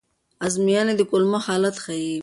ازموینې د کولمو حالت ښيي.